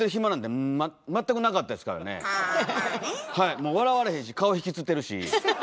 もう笑われへんし顔引きつってるし。